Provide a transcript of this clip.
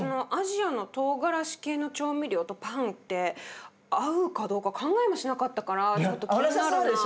アジアのトウガラシ系の調味料とパンって合うかどうか考えもしなかったからちょっと気になるな。